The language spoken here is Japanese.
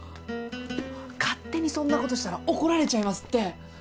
勝手にそんな事したら怒られちゃいますって！